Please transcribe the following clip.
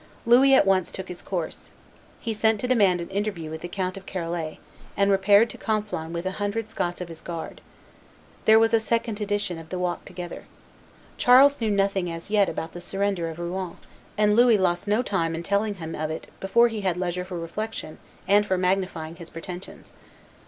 Louis at once took his course. He sent to demand an interview with the Count of Charolais, and repaired to Conflans with a hundred Scots of his guard. There was a second edition of the walk together. Charles knew nothing as yet about the surrender of Rouen; and Louis lost no time in telling him of it before he had leisure for reflection and for magnifying his pretensions.